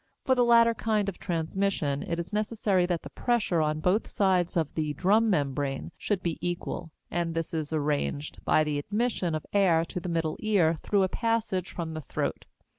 For the latter kind of transmission it is necessary that the pressure on both sides of the drum membrane should be equal, and this is arranged by the admission of air to the middle ear through a passage from the throat.